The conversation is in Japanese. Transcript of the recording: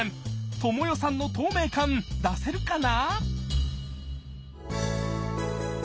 知世さんの透明感出せるかな？